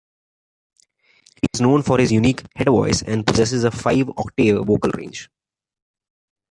He is known for his unique head voice and possesses a five-octave vocal range.